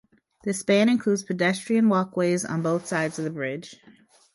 The span includes pedestrian walkways on both sides of the bridge.